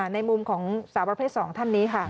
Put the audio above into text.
ในมุมของสาวประเภท๒ท่านนี้ค่ะ